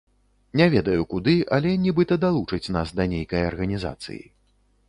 Не ведаю куды, але нібыта далучаць нас да нейкай арганізацыі.